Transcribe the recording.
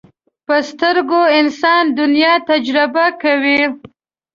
په سترګو انسان دنیا تجربه کوي